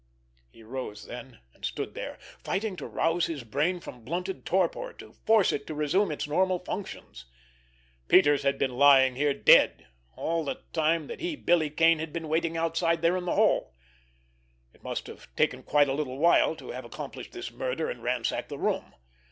He rose, then, and stood there, fighting to rouse his brain from blunted torpor, to force it to resume its normal functions. Peters had been lying here dead, all the time that he, Billy Kane, had been waiting outside there in the hall! It must have taken quite a little while to have accomplished this murder and ransack the room.